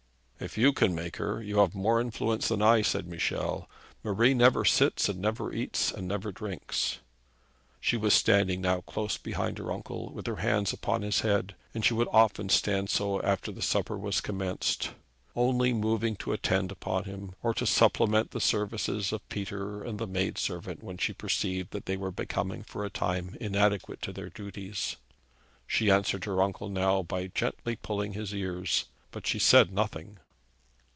'If you can make her, you have more influence than I,' said Michel. 'Marie never sits, and never eats, and never drinks.' She was standing now close behind her uncle with both her hands upon his head; and she would often stand so after the supper was commenced, only moving to attend upon him, or to supplement the services of Peter and the maid servant when she perceived that they were becoming for a time inadequate to their duties. She answered her uncle now by gently pulling his ears, but she said nothing.